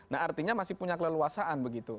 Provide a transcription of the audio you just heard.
nah artinya masih punya keleluasaan begitu